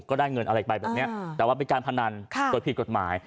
ก็ได้เงินอะไรไปแบบนี้แต่ว่าเป็นการพนันโดยผิดกฎหมาย